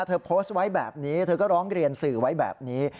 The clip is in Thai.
เธอโพสต์ไว้แบบนี้เธอก็ร้องเรียนสื่อไว้แบบนี้